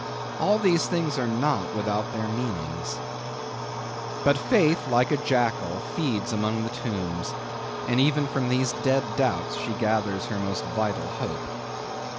All these things are not without their meanings. But Faith, like a jackal, feeds among the tombs, and even from these dead doubts she gathers her most vital hope.